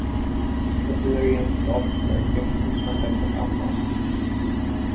The pillory and stocks were kept in front of the town hall.